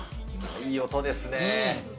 いい音ですね。